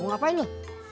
mau nyari gorengan